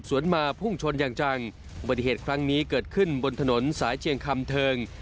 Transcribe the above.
มาพุ่งชนอย่างจังอุบัติเหตุครั้งนี้เกิดขึ้นบนถนนสายเชียงคำเทิง